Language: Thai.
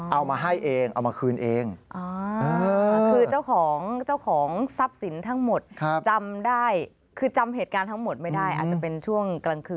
เอามาให้เองเอามาคืนเอง